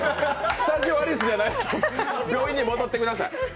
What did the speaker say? スタジオアリスじゃない病院に戻ってください。